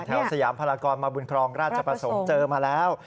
สยามพลากรมาบุญครองราชประสงค์เจอมาแล้ว